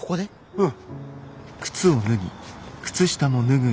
うん。